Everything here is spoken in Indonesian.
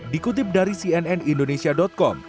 dikutip dari cnnindonesia com